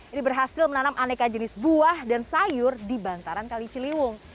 ini berhasil menanam aneka jenis buah dan sayur di bantaran kali ciliwung